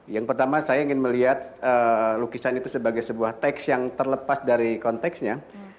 yang pertama saya ingin melihat lukisan itu sebagai sebuah teks yang terlepas dari konteksnya